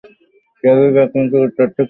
Traffic একমুখী, উত্তর থেকে দক্ষিণ দিকে।